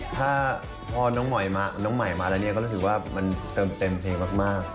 ถ้าพอน้องใหม่มาแล้วเนี่ยก็รู้สึกว่ามันเติมเต็มเพลงมาก